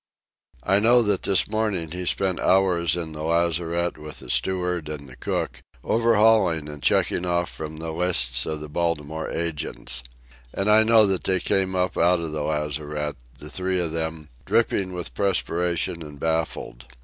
I know that this morning he spent hours in the lazarette with the steward and the cook, overhauling and checking off from the lists of the Baltimore agents. And I know that they came up out of the lazarette, the three of them, dripping with perspiration and baffled.